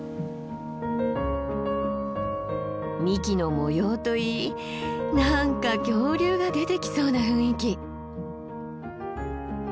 幹の模様といい何か恐竜が出てきそうな雰囲気。